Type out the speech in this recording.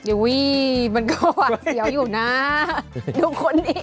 อุ้ยมันก็หวาดเสียวอยู่นะดูคนนี้